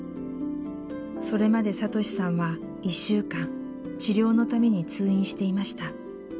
それまで聡士さんは１週間治療のために通院していました。